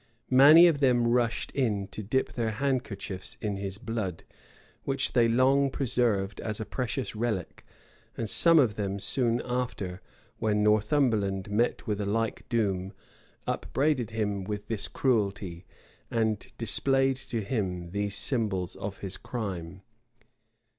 [] Many of them rushed in to dip their hand kerchiefs in his blood, which they long preserved as a precious relic; and some of them soon after, when Northumberland met with a like doom, upbraided him with this cruelty, and displayed to him these symbols of his crime.